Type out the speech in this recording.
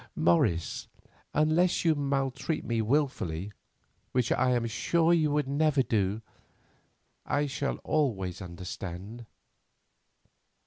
Morris, unless you maltreat me wilfully—which I am sure you would never do—I shall always understand."